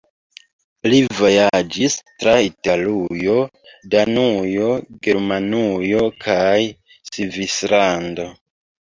Li vojaĝis tra Italujo, Danujo, Germanujo kaj Svislando.